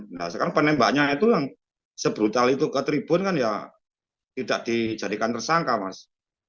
nah sekarang penembaknya itu yang sebrutal itu ke tribun kan ya tidak dijadikan tersangka mas